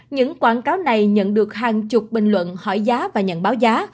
những quảng cáo này nhận được hàng chục bình luận hỏi giá và nhận báo giá